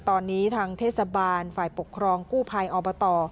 ตอนนี้ทางเทศบาลฝ่ายปกครองกู้ภัยอบต